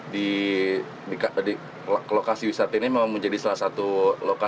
di lokasi wisata ini memang menjadi salah satu lokasi